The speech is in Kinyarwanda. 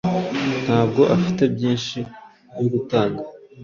Ntabwo afite byinhi byo gutanga